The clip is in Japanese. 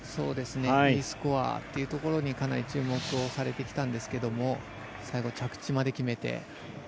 Ｅスコアというところにかなり注目をされてきたんですが最後、着地まで決めて。